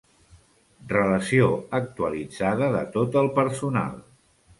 Relació actualitzada de tot el personal.